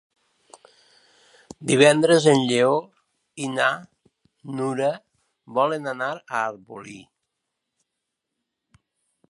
Divendres en Lleó i na Nura volen anar a Arbolí.